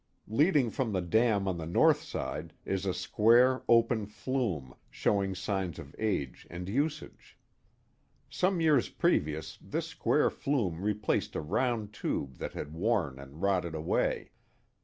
Leading from the dam on the north side is a square, open Hume, showing signs of age and usage. Some years previous this square flume replaced a round tube that had worn and rotted away.